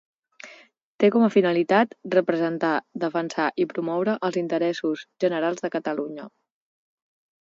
Té com a finalitat representar, defensar i promoure els interessos generals de Catalunya.